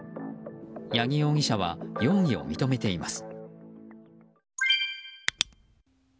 八木容疑者は容疑を認めています。